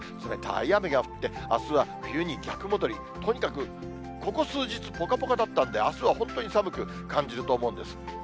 冷たい雨が降ってあすは冬に逆戻り、とにかくここ数日、ぽかぽかだったんで、あすは本当に寒く感じると思うんです。